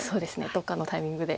どっかのタイミングで。